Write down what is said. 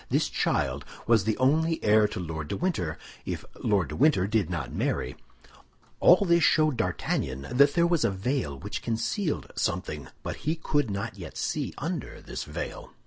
This child was the only heir to Lord de Winter, if Lord de Winter did not marry. All this showed D'Artagnan that there was a veil which concealed something; but he could not yet see under this veil.